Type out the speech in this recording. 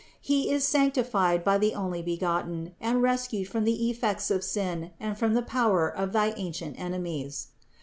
He is sanctified by the Onlybegotten and rescued from the effects of sin and from the power of thy ancient enemies.